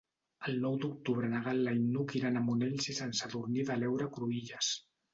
El nou d'octubre na Gal·la i n'Hug iran a Monells i Sant Sadurní de l'Heura Cruïlles.